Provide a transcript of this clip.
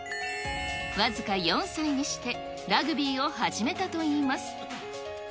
僅か４歳にしてラグビーを始めたといいます。